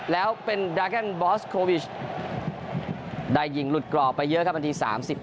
แล้วเป็นดาแกนบอสโควิชได้ยิงหลุดกรอบไปเยอะครับนาที๓๙